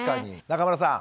中村さん